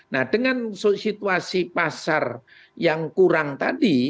nah dengan situasi pasar yang kurang tadi